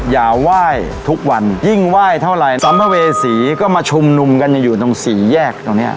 อย่าไหว้ทุกวันยิ่งไหว้เท่าไรสัมภเวษีก็มาชุมนุมกันอยู่ตรงสี่แยกตรงเนี้ย